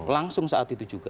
langsung saat itu juga